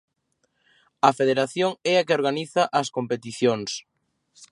A Federación é a que organiza as competicións.